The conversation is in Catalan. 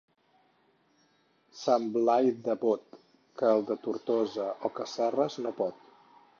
Sant Blai de Bot, que el de Tortosa o Caseres no pot.